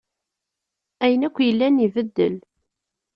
Ayen akk yellan ibeddel.